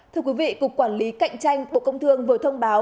thưa quý vị cục quản lý cạnh tranh bộ công thương vừa thông báo